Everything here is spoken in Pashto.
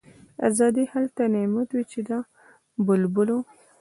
آزادي هلته نعمت وي د بلبلو